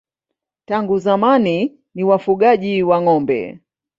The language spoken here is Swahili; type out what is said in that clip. Tangu zamani ni wafugaji wa ng'ombe.